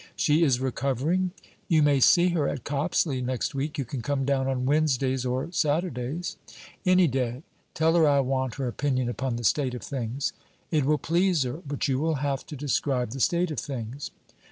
'She is recovering?' 'You may see her at Copsley next week. You can come down on Wednesdays or Saturdays?' 'Any day. Tell her I want her opinion upon the state of things.' 'It will please her; but you will have to describe the state of things.'